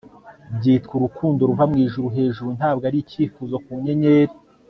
byitwa urukundo ruva mwijuru hejuru ntabwo ari icyifuzo ku nyenyeri